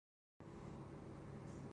میں خود social media میں نہیں ہوں۔